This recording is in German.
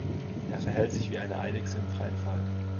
Er verhält sich wie eine Eidechse im freien Fall.